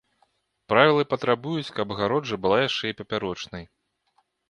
Правілы патрабуюць, каб агароджа была яшчэ і папярочнай.